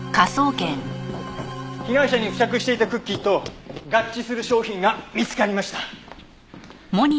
被害者に付着していたクッキーと合致する商品が見つかりました。